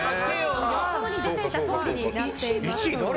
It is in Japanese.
予想に出てたとおりになっております。